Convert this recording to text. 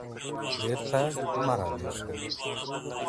بيرته مه رالېږه